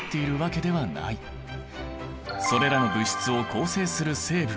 それらの物質を構成する成分